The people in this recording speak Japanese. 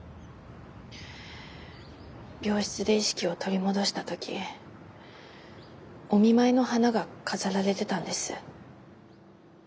病室で意識を取り戻した時お見舞いの花が飾られてたんです。